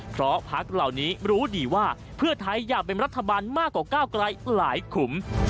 เพราะพักเหล่านี้รู้ดีว่าเพื่อไทยอยากเป็นรัฐบาลมากกว่าก้าวไกลหลายขุม